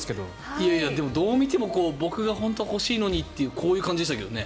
いやいや、でもどう見ても僕が本当は欲しいのにというこういう感じでしたけどね。